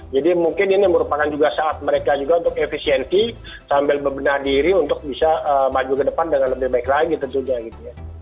jadi mungkin ini merupakan juga saat mereka juga untuk efisiensi sambil bebenah diri untuk bisa maju ke depan dengan lebih baik lagi tentunya gitu ya